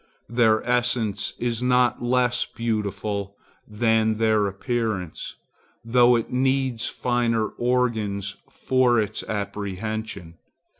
Their essence is not less beautiful than their appearance, though it needs finer organs for its apprehension.